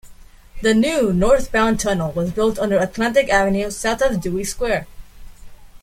The new northbound tunnel was built under Atlantic Avenue south of Dewey Square.